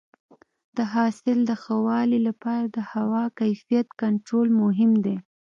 د حاصل د ښه والي لپاره د هوا کیفیت کنټرول مهم دی.